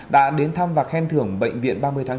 đã đến thăm và khen thưởng bệnh viện ba mươi tháng bốn